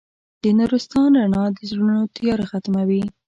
د نورستان رڼا د زړونو تیاره ختموي.